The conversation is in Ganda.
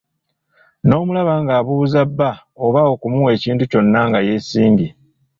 N'omulaba ng'abuuza bba oba okumuwa ekintu kyonna nga yeesimbye.